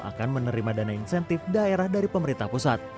akan menerima dana insentif daerah dari pemerintah pusat